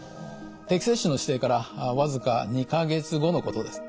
定期接種の指定から僅か２か月後のことです。